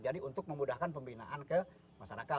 jadi untuk memudahkan pembinaan ke masyarakat